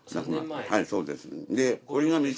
はいそうです。